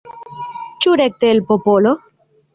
Ĉu rekte el popolo?